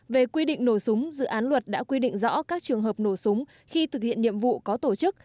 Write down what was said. về quy định nổ súng dự án luật đã quy định rõ các trường hợp nổ súng khi thực hiện nhiệm vụ có tổ chức